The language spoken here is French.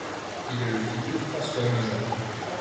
Il est le fils de François Musin.